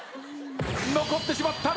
残ってしまった！